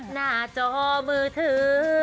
หน้าจอมือถือ